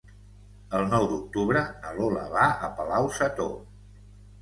El nou d'octubre na Lola va a Palau-sator.